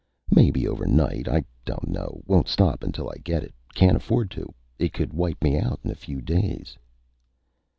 "Maybe overnight. I don't know. Won't stop until I get it. Can't afford to. It could wipe me out in a few days."